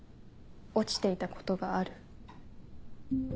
落ちていたことがある？